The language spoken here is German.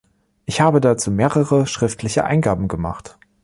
Ich habe dazu mehrere schriftliche Eingaben gemacht.